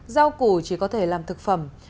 rau củ chỉ có thể làm thực phẩm